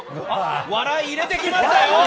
笑い、入れてきましたよ！